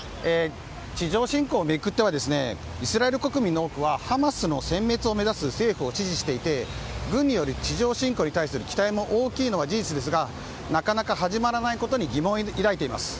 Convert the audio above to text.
地上侵攻を巡ってはイスラエル国民の多くはハマスの殲滅を目指す政府を支持していて軍による地上侵攻に対する期待も大きいのは事実ですがなかなか始まらないことに疑問を抱いています。